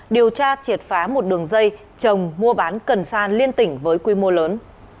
điều tra triệt phá một đường dây chồng mua bán cần sa liên tỉnh với quy mô lớn